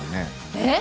えっ？